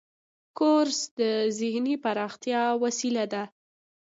کورس د ذهني پراختیا وسیله ده.